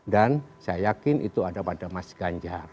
dan saya yakin itu ada pada mas ganjar